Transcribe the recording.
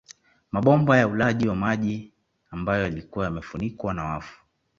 Mabomba ya ulaji wa maji ambayo yalikuwa yamefunikwa na wafu